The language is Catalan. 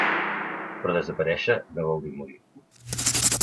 Però desaparèixer no vol dir morir.